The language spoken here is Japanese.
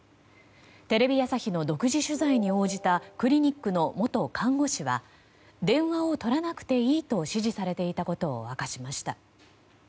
テレビ朝日の独自取材に応じたクリニックの元看護士は電話をとらなくていいと指示されていたことを明かしました。